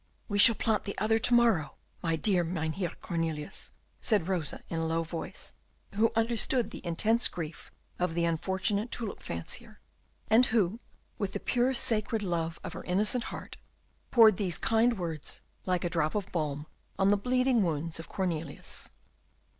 "We shall plant the other to morrow, my dear Mynheer Cornelius," said Rosa, in a low voice, who understood the intense grief of the unfortunate tulip fancier, and who, with the pure sacred love of her innocent heart, poured these kind words, like a drop of balm, on the bleeding wounds of Cornelius.